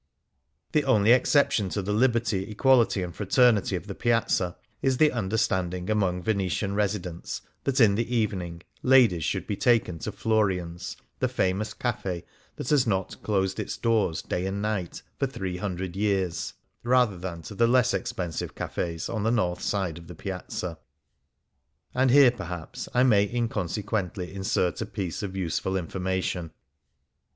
The only exception to the liberty, equality, and fraternity of the Piazza is the understanding among Venetian residents that, in the evening, ladies should be taken to Florian's — the famous cafe that has not closed its doors day and night for three hundred years •— rather than to the less expensive cafes on the north side of the Piazza. And here, perhaps, I may inconsequently insert a piece of useful 5Z Things Seen in Venice information.